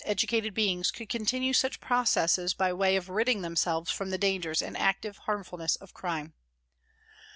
edu cated beings could continue such processes by way of ridding themselves from the dangers and active harmfulness of crime.